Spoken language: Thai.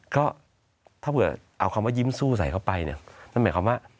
ก็ถ้าเผื่อเอาคำว่ายิ้มสู้ใส่เข้าไปเนี่ยนั่นหมายความว่า